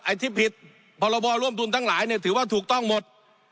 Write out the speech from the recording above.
ที่ผิดพรบร่วมทุนทั้งหลายเนี่ยถือว่าถูกต้องหมด